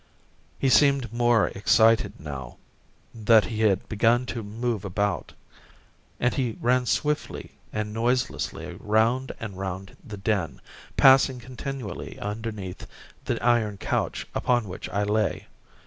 He seemed more excited now that he had begun to move about, and he ran swiftly and noiselessly round and round the den, passing continually underneath the iron couch upon which I lay.